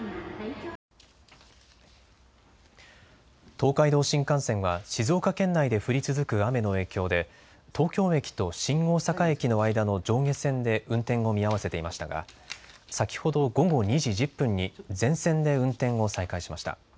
東海道新幹線は静岡県内で降り続く雨の影響で東京駅と新大阪駅の間の上下線で運転を見合わせていましたが先ほど午後２時１０分に全線で運転を再開しました。